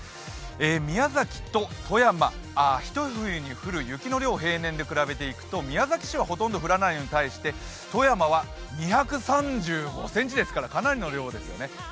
宮崎と富山、一冬に降る雪の量を平年で見ていくと宮崎市はほとんど降らないのに対して富山は２３５ｃｍですからかなりの量ですよね。